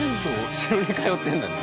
お城に通ってるんだね。